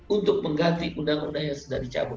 untuk mengganti undang undang yang sudah dicabut